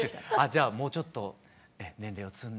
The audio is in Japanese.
じゃあもうちょっと年齢を積んで。